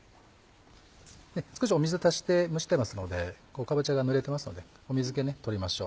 少し水を足して蒸してますのでかぼちゃがぬれてますので水気取りましょう。